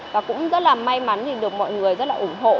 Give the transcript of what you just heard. và cũng rất là may mắn được mọi người rất là ủng hộ